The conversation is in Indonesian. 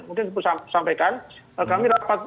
mungkin saya harus sampaikan kami rapat